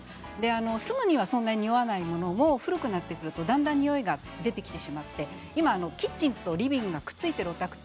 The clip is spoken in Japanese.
すぐにはそんなににおわないんですけど古くなってくるとだんだん出てきてしまって今、キッチンとリビングがくっついているお宅って